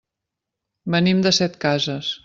Venim de Setcases.